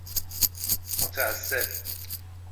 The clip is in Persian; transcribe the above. متعصب